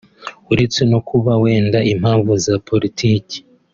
uretse no kuba wenda impamvu za politiki